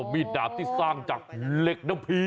มีดดาบที่สร้างจากเหล็กน้ำผี